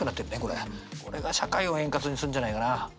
これが社会を円滑にするんじゃないかな。